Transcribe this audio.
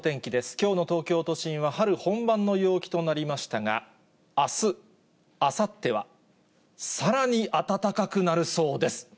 きょうの東京都心は春本番の陽気となりましたが、あす、あさっては、さらに暖かくなるそうです。